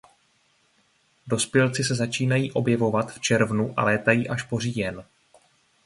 Dospělci se začínají objevovat v červnu a létají až po říjen.